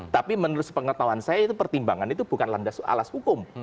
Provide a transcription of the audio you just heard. tapi menurut pengetahuan saya pertimbangan itu bukan alas hukum